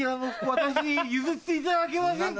私に譲っていただけませんか？